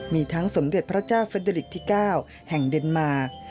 มีทั้งสมเด็จพระเจ้าเฟดิกที่๙แห่งเดนมาร์